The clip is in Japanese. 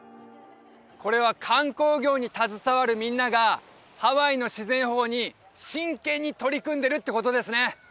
これは観光業に携わるみんながハワイの自然保護に真剣に取り組んでるってことですね